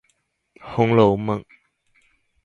紅樓夢